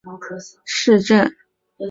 索伊恩是德国巴伐利亚州的一个市镇。